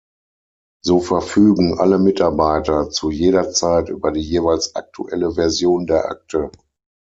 So verfügen alle Mitarbeiter zu jeder Zeit über die jeweils aktuelle Version der Akte.